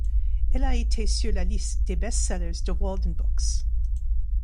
Elle a été sur la liste des best-sellers de Waldenbooks.